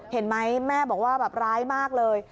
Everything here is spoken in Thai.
เห็นไหมแม่บอกว่าแบบร้ายมากเลย